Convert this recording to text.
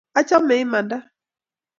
Achame imanda.